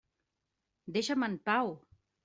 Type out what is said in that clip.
Deixa'm en pau!